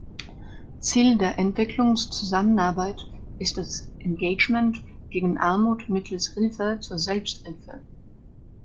Ziel der Entwicklungszusammenarbeit ist das Engagement gegen Armut mittels Hilfe zur Selbsthilfe.